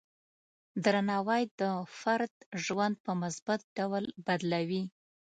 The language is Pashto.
درناوی د فرد ژوند په مثبت ډول بدلوي.